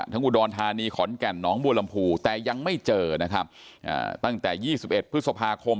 อุดรธานีขอนแก่นหนองบัวลำพูแต่ยังไม่เจอนะครับตั้งแต่๒๑พฤษภาคม